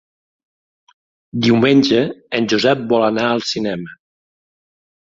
Diumenge en Josep vol anar al cinema.